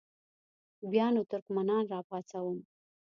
بیا نو ترکمنان را پاڅوم.